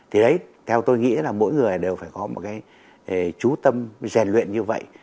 thì đấy theo tôi nghĩ là mỗi người đều phải có một cái trú tâm rèn luyện như vậy